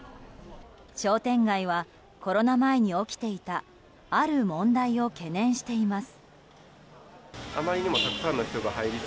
商店街はコロナ前に起きていたある問題を懸念しています。